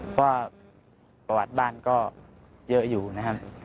เพราะประวัติบ้านก็เยอะอยู่นะครับ